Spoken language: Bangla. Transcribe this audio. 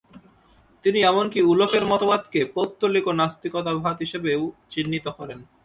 তিনি এমনকি উলফের মতবাদকে "পৌত্তলিক ও নাস্তিকতাবাদ" হিসাবেও চিহ্নিত করেন।